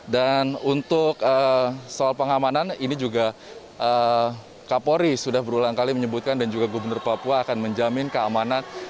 untuk soal pengamanan ini juga kapolri sudah berulang kali menyebutkan dan juga gubernur papua akan menjamin keamanan